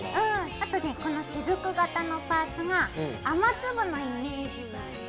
あとねこのしずく形のパーツが雨粒のイメージ。